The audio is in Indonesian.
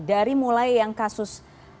dari mulai yang kasus